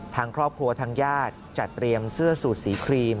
ทางครอบครัวทางญาติจัดเตรียมเสื้อสูตรสีครีม